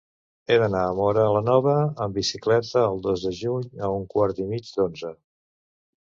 He d'anar a Móra la Nova amb bicicleta el dos de juny a un quart i mig d'onze.